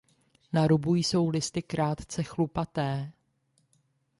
Na rubu jsou listy krátce chlupaté.